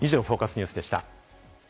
ニュースでした。